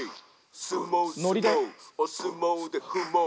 「すもうすもうおすもうでふもう」